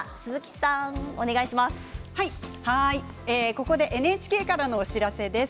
ここでＮＨＫからのお知らせです。